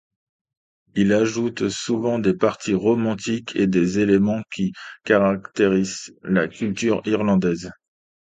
Il ajoute souvent des parties romantiques et des éléments qui caractérisent la culture irlandaise.